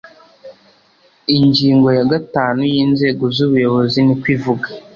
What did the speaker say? Ingingo ya gatanu y Inzego z Ubuyobozi niko ivuga